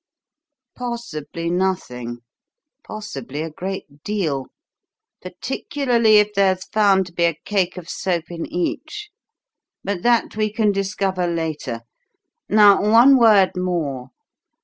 "Possibly nothing, probably a great deal particularly if there's found to be a cake of soap in each. But that we can discover later. Now one word more.